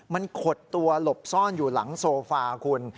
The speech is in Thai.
มันขดตัวหลบซ่อนอยู่หลังโซฟาคุณ